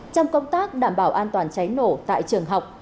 trong công tác đảm bảo an toàn cháy nổ tại trường học